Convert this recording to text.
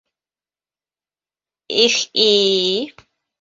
Их-и-и...